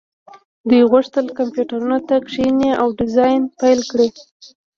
دوی غوښتل کمپیوټرونو ته کښیني او ډیزاین پیل کړي